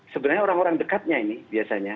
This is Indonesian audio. sebenarnya orang orang dekatnya ini biasanya